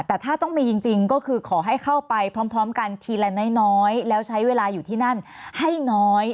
แต่ถ้าต้องมีจริงก็คือขอให้เข้าไปพร้อมกันทีละน้อยแล้วใช้เวลาอยู่ที่นั่นให้น้อย